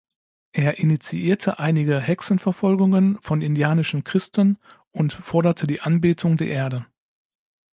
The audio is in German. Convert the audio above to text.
Er initiierte einige Hexenverfolgungen von indianischen Christen und forderte die „Anbetung der Erde“.